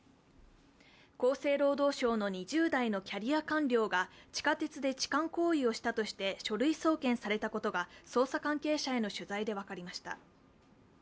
厚生労働省の２０代のキャリア官僚が地下鉄で痴漢行為をしたとして書類送検されたことが捜査関係者への取材で分かりました。